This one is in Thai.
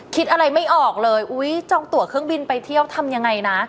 คิดอะไรไม่ออกเลยอุ๊ยจองตัวเครื่องบินไปเที่ยวทำยังไงนะ